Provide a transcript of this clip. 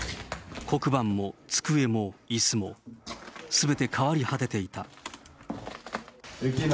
黒板も机もいすも、すべて変わり果てていた。